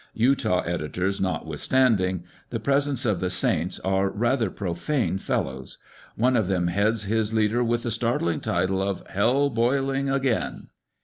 Utah editors, notwithstand ing the presence of the saints, are rather profane fellows. One of them heads his leader with the startling title of " Hell Boiling Again."